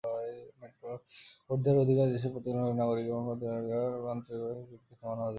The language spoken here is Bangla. ভোট দেওয়ার অধিকার দেশের প্রত্যেক নাগরিকের গণতান্ত্রিক অধিকার এবং আন্তর্জাতিকভাবে স্বীকৃত মানবাধিকার।